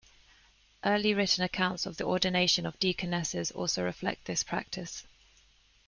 Early written accounts of the ordination of deaconesses also reflect this practice.